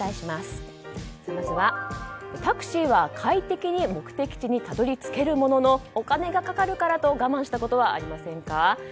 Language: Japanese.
まずはタクシーは快適に目的地にたどり着けるもののお金がかかるからと我慢したことはありませんか。